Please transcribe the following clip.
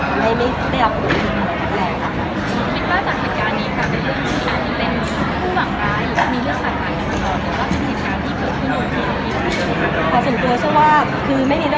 ประสิทธิ์เผินขึ้นรู้สึกเกิอร์